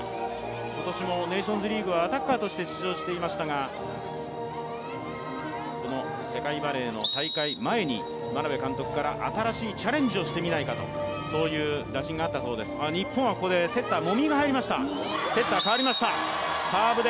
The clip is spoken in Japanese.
今年もネーションズリーグはアタッカーとして出場していましたが、この世界バレーの大会前に、眞鍋監督から新しいチャレンジをしてみないかというそういう打診があったそうです、日本はここでセッター、籾井が入りました。